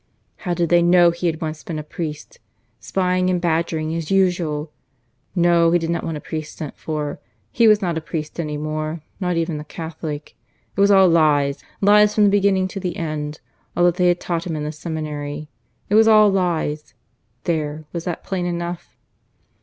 How did they know he had once been a priest? Spying and badgering, as usual! ... No: he did not want a priest sent for. He was not a priest any more; not even a Catholic. It was all lies lies from the beginning to the end all that they had taught him in the seminary. It was all lies! There! Was that plain enough?